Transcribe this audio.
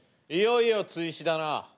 いよいよ追試だな。